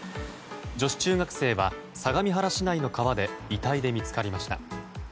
女子中学生は、相模原市内の川で遺体で見つかりました。